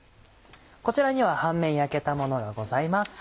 こちらには半面焼けたものがございます。